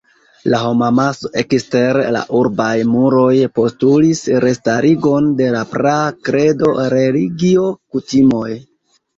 La homamaso ekster la urbaj muroj postulis restarigon de la praa kredo, religio, kutimoj.